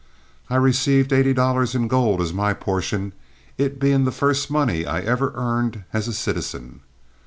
I received eighty dollars in gold as my portion, it being the first money I ever earned as a citizen.